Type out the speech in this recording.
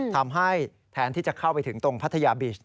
แทนที่จะเข้าไปถึงตรงพัทยาบีช